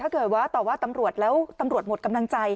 ถ้าเกิดว่าตอบว่าตำรวจแล้วตำรวจหมดกำลังใจ